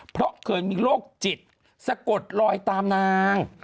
เพราะเคยมีโรคจิตสะกดลอยตามนาง